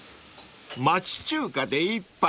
［町中華で一杯。